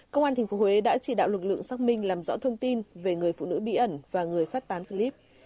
công an tp huế đã chỉ đạo lực lượng xác minh làm rõ thông tin về người phụ nữ bí ẩn và người phát tán clip